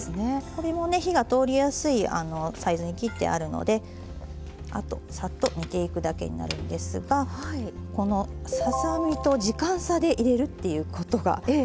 これもね火が通りやすいサイズに切ってあるのであとサッと煮ていくだけになるんですがこのささ身と時間差で入れるっていうことがとてもポイントになります。